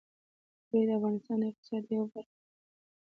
کلي د افغانستان د اقتصاد یوه برخه ده.